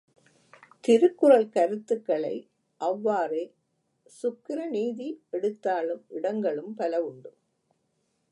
திருக்குறள் கருத்துக்களை அவ்வாறே சுக்கிரநீதி எடுத்தாளும் இடங்களும் பலவுண்டு.